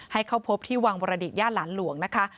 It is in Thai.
ให้เข้าพบที่วังบรดิตย่านหลานหลวงนะคะ